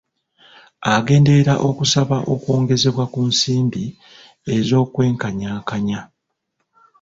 Agenderera okusaba okwongezebwa ku nsimbi ez'okwenkanyankanya.